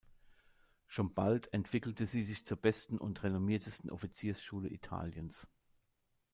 Schon bald entwickelte sie sich zur besten und renommiertesten Offiziersschule Italiens.